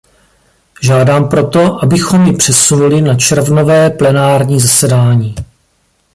Žádám proto, abychom ji přesunuli na červnové plenární zasedání.